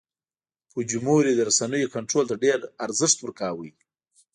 فوجیموري د رسنیو کنټرول ته ډېر ارزښت ورکاوه.